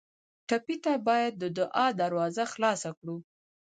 ټپي ته باید د دعا دروازه خلاصه کړو.